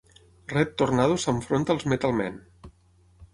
Red Tornado s'enfronta als Metal Men.